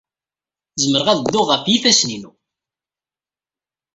Zemreɣ ad dduɣ ɣef yifassen-inu.